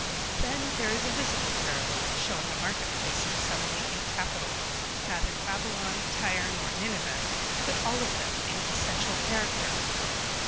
Then there is a visible parable, showing a marketplace in some wicked capital, neither Babylon, Tyre, nor Nineveh, but all of them in essential character.